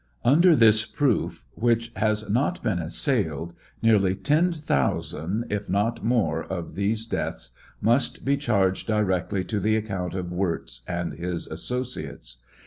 Under this proof, which has not been assailed, nearly 10,000, if not more, of these deaths must be charged directly to the account of Wirz and his associates.